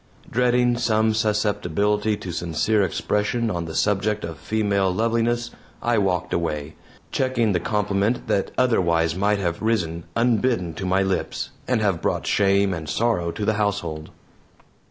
Dreading some susceptibility to sincere expression on the subject of female loveliness, I walked away, checking the compliment that otherwise might have risen unbidden to my lips, and have brought shame and sorrow to the household.